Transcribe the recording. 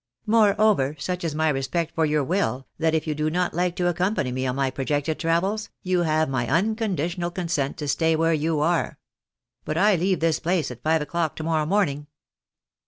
Moreover, such is my respect for your will, that if you do not like to accom pany me on my projected travels, you have my unconditional con sent to stay where you are. But I leave this place at five o'clock to morrow morning."